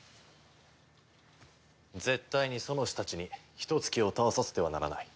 絶対にソノシたちにヒトツ鬼を倒させてはならない。